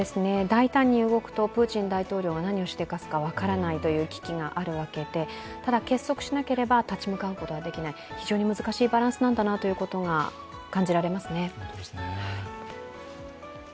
大胆に動くとプーチン大統領は何をしでかすか分からないという危機があるわけで、ただ結束しなければ立ち向かうことはできない非常に難しいバランスなんだなということが感じられますね。